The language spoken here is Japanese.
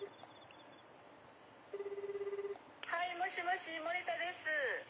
はいもしもし森田です。